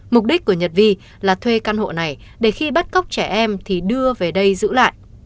mục đích của nhật vi là thuê căn hộ này để khi bắt cóc trẻ em thì đưa về đây giữ lại